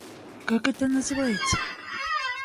Как это называется?